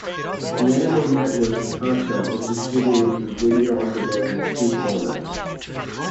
The Anime Network's content is distributed through Video On Demand in two formats.